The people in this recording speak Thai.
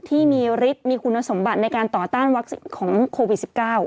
ที่มีฤทธิ์มีคุณสมบัติในการต่อต้านวัคซีนของโควิด๑๙